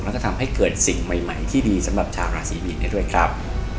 แล้วก็ทำให้เกิดสิ่งใหม่ที่ดีสำหรับชาวราศีมีนได้ด้วยครับ